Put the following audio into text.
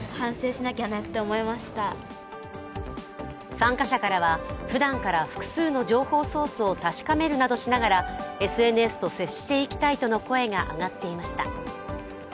参加者からは、ふだんから複数の情報ソースを確かめるなどしながらＳＮＳと接していきたいとの声が上がっていました。